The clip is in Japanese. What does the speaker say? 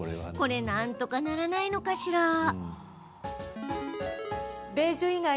なんとかならないのかしら。